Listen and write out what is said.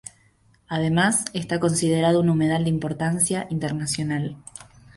Además, está considerado un humedal de importancia internacional.